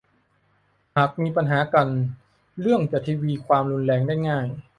หากมีปัญหากันเรื่องจะทวีความรุนแรงได้ง่าย